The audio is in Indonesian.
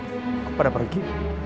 aku pada pergi